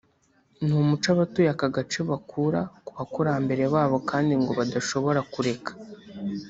ni umuco abatuye aka gace bakura ku bakurambere babo kandi ngo badashobora kureka